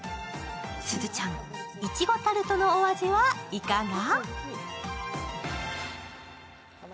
すずちゃん、いちごタルトのお味はいかが？